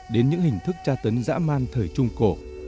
đến những hình thức tra tấn dã man thời trung cổ